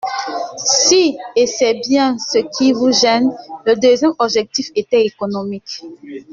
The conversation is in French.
Si ! …et c’est bien ce qui vous gêne ! Le deuxième objectif était économique.